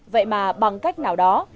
vậy mà bằng cách nào đó